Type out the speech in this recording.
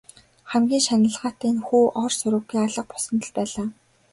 Хамгийн шаналгаатай нь хүү ор сураггүй алга болсонд л байлаа.